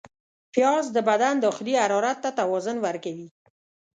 پیاز د بدن داخلي حرارت ته توازن ورکوي